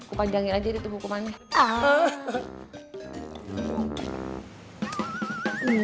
kupanjangin aja deh tuh hukumannya